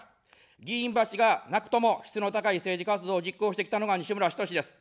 議員バッジがなくとも質の高い政治活動を実行してきたのが西村ひとしです。